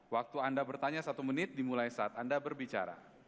waktu anda bertanya satu menit dimulai saat anda berbicara